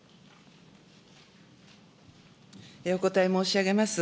お答え申し上げます。